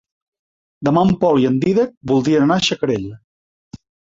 Demà en Pol i en Dídac voldrien anar a Xacarella.